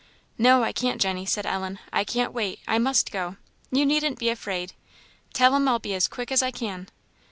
"No, I can't, Jenny," said Ellen, "I can't wait; I must go. You needn't be afraid. Tell 'em I'll be as quick as I can."